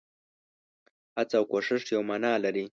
هڅه او کوښښ يوه مانا لري.